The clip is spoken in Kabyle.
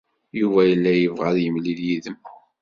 Yuba yella yebɣa ad yemlil yid-m.